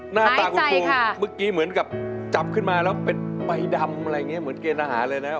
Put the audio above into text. หน้าตาคุณปูเมื่อกี้เหมือนกับจับขึ้นมาแล้วเป็นใบดำอะไรอย่างนี้เหมือนเกณฑ์อาหารเลยนะ